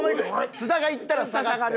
津田が行ったら下がって。